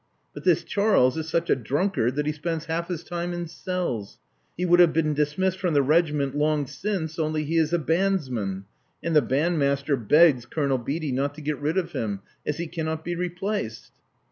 But this Charles is such a drunkard that he spends half his time in cells. He would have been dismissed from the regiment long since, only he is a bandsman; and the bandmaster begs Colonel Beatty not to get rid of him, as he can not be replaced."